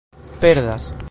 perdas